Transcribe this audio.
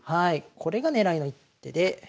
これが狙いの一手で。